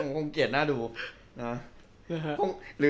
คงเกลียดหน้าดูนะ